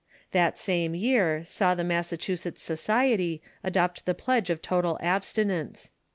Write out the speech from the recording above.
That same year saw the Massachu setts Society adopt the pledge of total abstinence.